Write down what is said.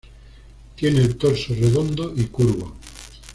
Tiene el torso redondo y curvo.